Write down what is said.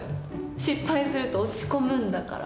失敗すると落ち込むんだから。